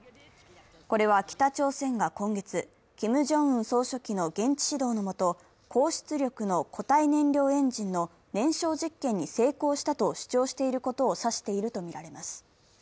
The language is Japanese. これは北朝鮮が今月、キム・ジョンウン総書記の現地指導の下、高出力の個体燃料エンジンの燃焼実験に成功したと主張していることを指しているとみられます。